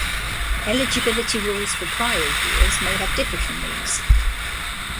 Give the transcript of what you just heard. Eligibility rules for prior years may have differed from these.